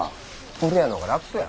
風呂屋の方が楽そうや。